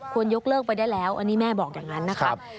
ยกเลิกไปได้แล้วอันนี้แม่บอกอย่างนั้นนะครับ